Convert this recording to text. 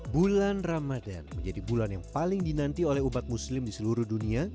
bulan ramadan menjadi bulan yang paling dinanti oleh umat muslim di seluruh dunia